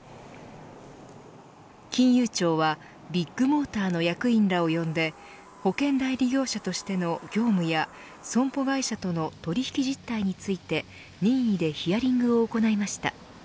金融庁はビッグモーターの役員らを呼んで保険代理業者としての業務や損保会社との取引実態について任意でヒアリングを行いました。